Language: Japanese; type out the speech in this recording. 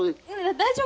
大丈夫？